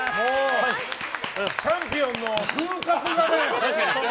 チャンピオンの風格がね。